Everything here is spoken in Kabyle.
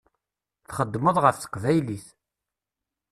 Txeddmeḍ ɣef teqbaylit.